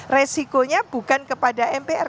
resikonya bukan kepada mpr